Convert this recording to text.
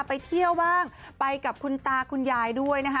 ไปเที่ยวบ้างไปกับคุณตาคุณยายด้วยนะคะ